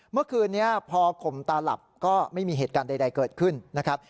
เมื่อคืนนี้พอข่มตาหลับก็ไม่มีเหตุการณ์ใดเกิดขึ้นนะครับ